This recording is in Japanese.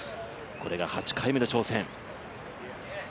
これが８回目の挑戦。